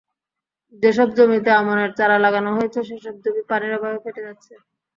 যেসব জমিতে আমনের চারা লাগানো হয়েছে, সেসব জমি পানির অভাবে ফেটে যাচ্ছে।